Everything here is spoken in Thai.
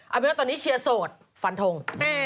เอาเป็นว่าตอนนี้เชียร์โสดฟันทง